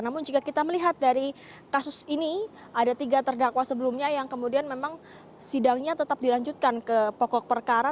namun jika kita melihat dari kasus ini ada tiga terdakwa sebelumnya yang kemudian memang sidangnya tetap dilanjutkan ke pokok perkara